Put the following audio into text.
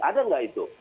ada nggak itu